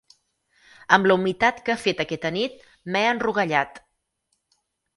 Amb la humitat que ha fet aquesta nit m'he enrogallat.